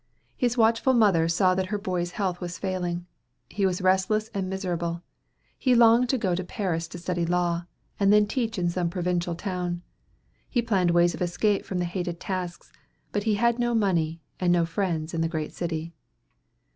His watchful mother saw that her boy's health was failing. He was restless and miserable. He longed to go to Paris to study law, and then teach in some provincial town. He planned ways of escape from the hated tasks, but he had no money, and no friends in the great city.